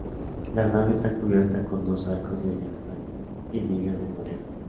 La nave está cubierta con dos arcos de diafragma y vigas de madera.